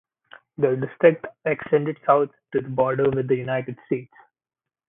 The district extended south to the border with the United States.